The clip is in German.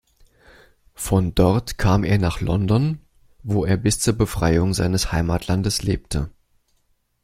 Von dort kam er nach London, wo er bis zur Befreiung seines Heimatlandes lebte.